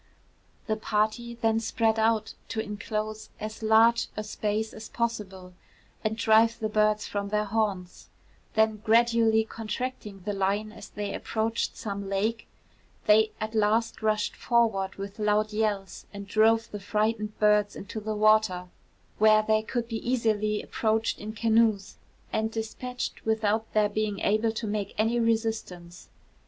The party then spread out to inclose as large a space as possible, and drive the birds from their haunts; then gradually contracting the line as they approached some lake, they at last rushed forward with loud yells, and drove the frightened birds into the water, where they could be easily approached in canoes and despatched without their being able to make any resistance.